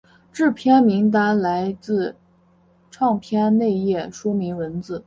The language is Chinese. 制作名单来自唱片内页说明文字。